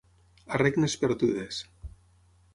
A regnes perdudes.